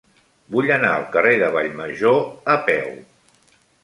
Vull anar al carrer de Vallmajor a peu.